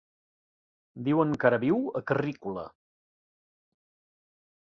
Diuen que ara viu a Carrícola.